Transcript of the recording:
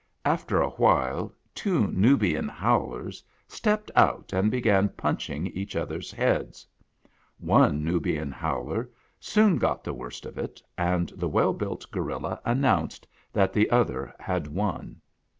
After a while two Nubian Howlers stepped out and began punching each other's heads. One Nubian Howler soon got the worst of it, and the well built gorilla announced that the other had won.